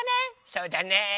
そうだね！